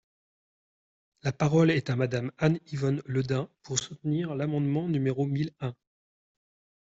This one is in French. La parole est à Madame Anne-Yvonne Le Dain, pour soutenir l’amendement numéro mille un.